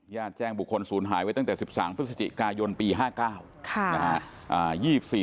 แจ้งบุคคลศูนย์หายไว้ตั้งแต่๑๓พฤศจิกายนปี๕๙นะฮะ